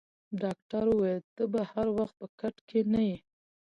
ډاکټر وویل: ته به هر وخت په کټ کې نه یې.